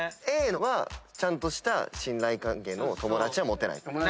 Ａはちゃんとした信頼関係の友達は持てない。